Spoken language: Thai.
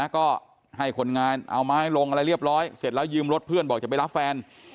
ก็ให้คนงานเอาไม้ลงอะไรเรียบร้อยเสร็จแล้วยืมรถเพื่อนบอกจะไปรับแฟน